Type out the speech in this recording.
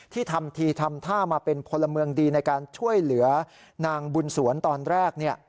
ทำทีทำท่ามาเป็นพลเมืองดีในการช่วยเหลือนางบุญสวนตอนแรก